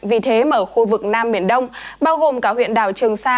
vì thế mà ở khu vực nam biển đông bao gồm cả huyện đảo trường sa